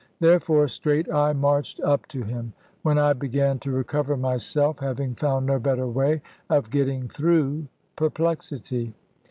Therefore straight I marched up to him, when I began to recover myself, having found no better way of getting through perplexity.